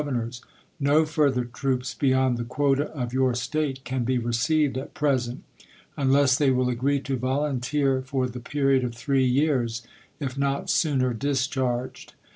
ernors: "No further troops beyond the quota of your State can be received at present, unless they will agree to volunteer for the period of three years, if not sooner discharged.